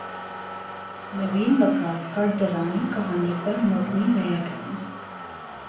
نوین وقار کا ڈرانی کہانی پر مبنی نیا ڈراما